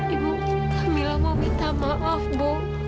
ibu kamilah mau minta maaf bu